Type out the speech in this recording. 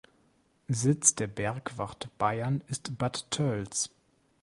Sitz der Bergwacht Bayern ist Bad Tölz.